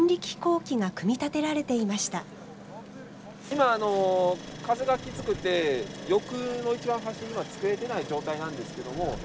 今あの風がきつくて翼の一番端今つけれてない状態なんですけども。